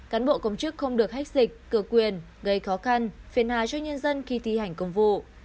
cán bộ công chức không được hách dịch cửa quyền gây khó khăn phiền hà cho nhân dân khi thi hành công vụ